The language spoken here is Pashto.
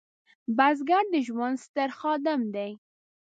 بزګر د ژوند ستر خادم دی